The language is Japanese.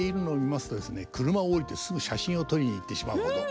車を降りてすぐ写真を撮りに行ってしまうほど。